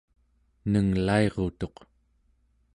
nenglairutuq